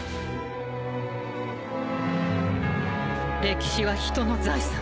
歴史は人の財産。